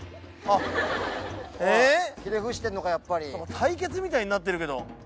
対決みたいになってるけど。